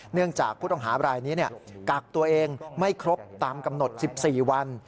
เนื่องจากผู้ต้องหาบรายนี้กักตัวเองไม่ครบตามกำหนด๑๔วัน